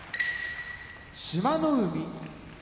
志摩ノ海